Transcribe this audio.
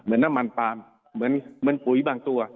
เหมือนน้ำมันปลาเหมือนปุ๋ยบางตัว